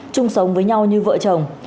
chung sống với nhau như vợ chồng